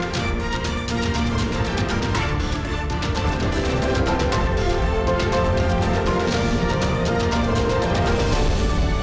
selamat malam sabang jepang